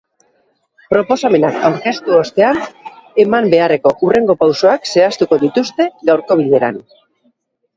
Proposamenak aurkeztu ostean, eman beharreko hurrengo pausoak zehaztuko dituzte gaurko bileran.